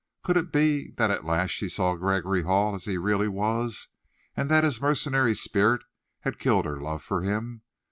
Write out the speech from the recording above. Could it be that at last she saw Gregory Hall as he really was, and that his mercenary spirit had killed her love for him?